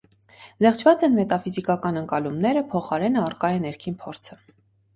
Զեղչված են մետաֆիզիկական ընկալումները, փոխարենը առկա է ներքին փորձը։